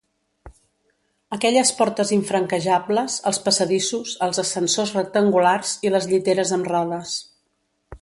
Aquelles portes infranquejables, els passadissos, els ascensors rectangulars i les lliteres amb rodes.